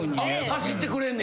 走ってくれんねや。